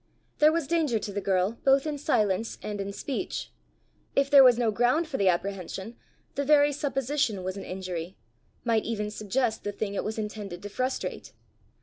There was danger to the girl both in silence and in speech: if there was no ground for the apprehension, the very supposition was an injury might even suggest the thing it was intended to frustrate!